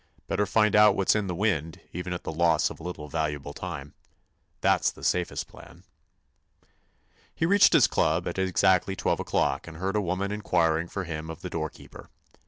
Better find out what's in the wind, even at the loss of a little valuable time. That's the safest plan." He reached his club at exactly twelve o'clock and heard a woman inquiring for him of the doorkeeper.